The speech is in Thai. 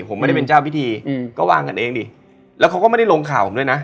ผมไม่ได้เป็นเจ้าพิธีอืมก็วางกันเองดิแล้วเขาก็ไม่ได้ลงข่าวผมด้วยนะ